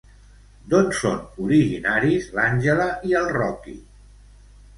D'on són originaris l'Angela i el Rocky?